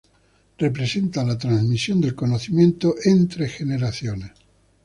Representa la transmisión del conocimiento entre generaciones.